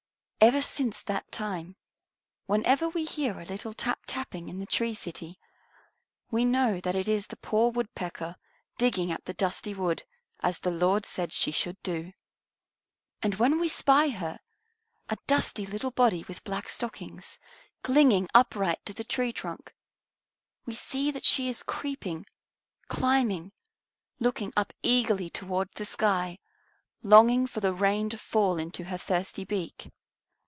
Ever since that time, whenever we hear a little tap tapping in the tree city, we know that it is the poor Woodpecker digging at the dusty wood, as the Lord said she should do. And when we spy her, a dusty little body with black stockings, clinging upright to the tree trunk, we see that she is creeping, climbing, looking up eagerly toward the sky, longing for the rain to fall into her thirsty beak.